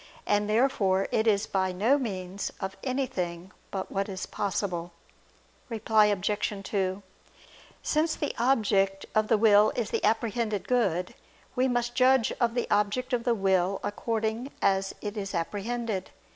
And therefore it is by no means of anything but what is possible. Reply Obj. 2: Since the object of the will is the apprehended good, we must judge of the object of the will according as it is apprehended.